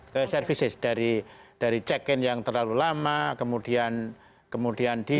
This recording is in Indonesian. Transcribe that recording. ke services dari check in yang terlalu lama kemudian di